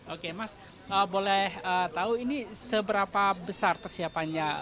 oke mas boleh tahu ini seberapa besar persiapannya